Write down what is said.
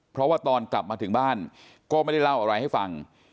เพราะว่าตอนกลับมาถึงบ้านก็ไม่ได้เล่าอะไรให้ฟัง